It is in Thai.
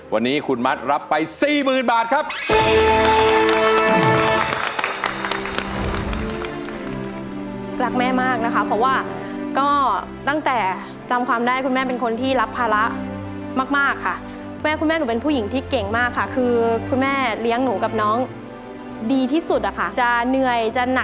เสียดายแต่ไม่เสียใจค่ะ